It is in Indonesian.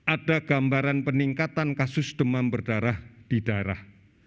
ada gambaran peningkatan kasus demam berdarah di daerah